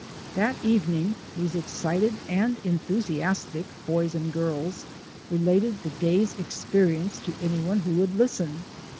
That evening these excited and enthusiastic boys and girls related the day's experience to any one who would listen.